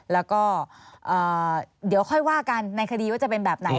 แล้วก็เดี๋ยวค่อยว่ากันในคดีว่าจะเป็นแบบไหน